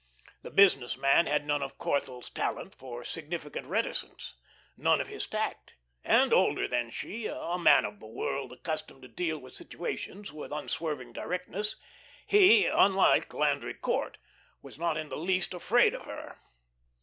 The business man had none of Corthell's talent for significant reticence, none of his tact, and older than she, a man of the world, accustomed to deal with situations with unswerving directness, he, unlike Landry Court, was not in the least afraid of her.